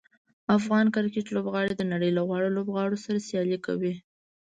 افغان کرکټ لوبغاړي د نړۍ له غوره لوبغاړو سره سیالي کوي.